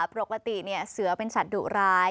ปกติเสือเป็นสัตว์ดุร้าย